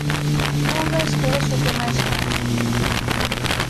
Non ves que es o que máis quero?